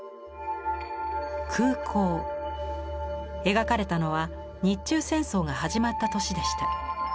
描かれたのは日中戦争が始まった年でした。